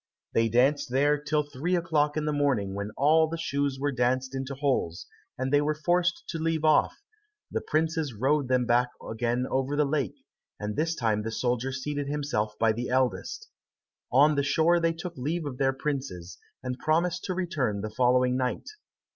They danced there till three o'clock in the morning when all the shoes were danced into holes, and they were forced to leave off; the princes rowed them back again over the lake, and this time the soldier seated himself by the eldest. On the shore they took leave of their princes, and promised to return the following night.